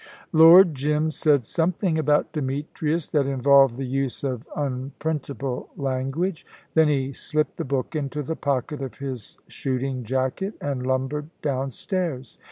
Lord Jim said something about Demetrius that involved the use of unprintable language. Then he slipped the book into the pocket of his shooting jacket and lumbered downstairs.